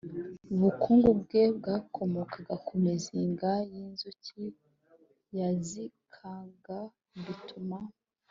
bukungu bwe bwakomokaga ku mizinga y’inzuki yagikaga, bituma